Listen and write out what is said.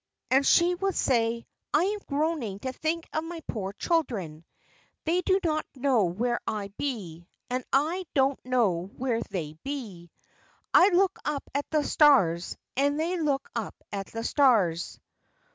And she would say, 'I am groaning to think of my poor children; they do not know where I be and I don't know where they be. I look up at the stars and they look up at the stars!'"